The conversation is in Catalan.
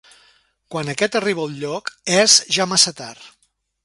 Quan aquest arriba al lloc, és ja massa tard.